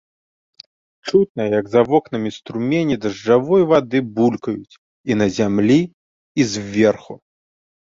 Чутна, як за вокнамі струмені дажджавой вады булькаюць і на зямлі і зверху.